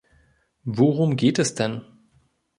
Worum geht es denn?